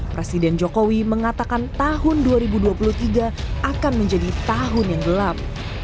presiden jokowi mengatakan tahun dua ribu dua puluh tiga akan menjadi tahun yang gelap